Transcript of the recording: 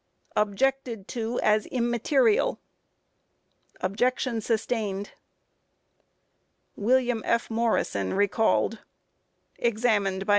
Objected to as immaterial. Objection sustained. WILLIAM F. MORRISON recalled. Examined by MR.